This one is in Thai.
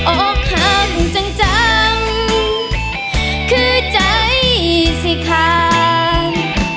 ออกหังจังจังคือใจเสียขาด